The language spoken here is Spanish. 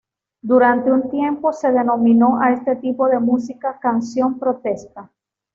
Durante un tiempo se denominó a este tipo de música canción protesta.